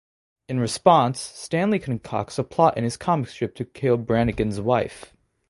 In response Stanley concocts a plot in his comic strip to kill Brannigan's wife.